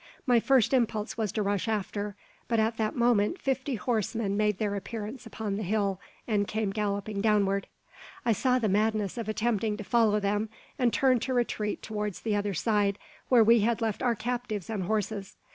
My first impulse was to rush after; but at that moment fifty horsemen made their appearance upon the hill, and came galloping downward. I saw the madness of attempting to follow them, and turned to retreat towards the other side, where we had left our captives and horses.